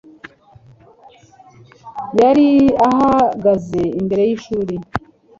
Yari ahagaze imbere y'ishuri.